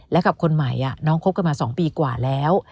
และกับคนใหม่น้องคบกันมา๒ปีกว่าแล้ว